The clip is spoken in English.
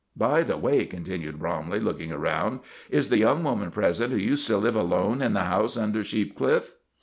"By the way," continued Bromley, looking around, "is the young woman present who used to live alone in the house under Sheep Cliff?"